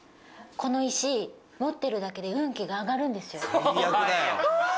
この石持ってるだけで運気が上がるんですよ。